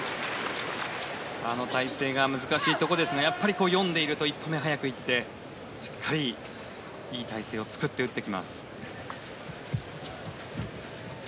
体勢が難しいところですがやっぱり、読んでいると１歩目が早くいってしっかりいい体勢を作って打ってきます。